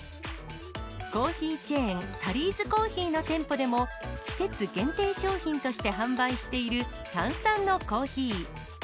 コーヒーチェーン、タリーズコーヒーの店舗でも、季節限定商品として販売している炭酸のコーヒー。